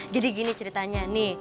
jadi gini ceritanya nih